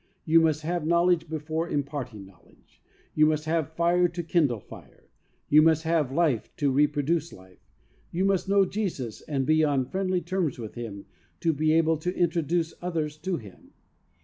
You must have knowledge before im parting knowledge. You must have fire to PERSONAL EXPERIENCE. 3 kindle fire. You must have life to repro duce life. You must know Jesus and be on friendly terms with Him to be able to intro duce others to Him.